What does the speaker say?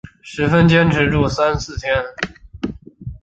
十分坚持住三四天